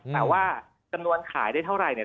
แต่ว่าจำนวนขายได้เท่าไหร่เนี่ย